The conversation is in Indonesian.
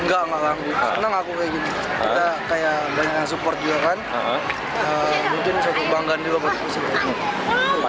enggak enggak senang aku kayak gini kita kayak banyak support juga kan mungkin satu banggaan juga buat support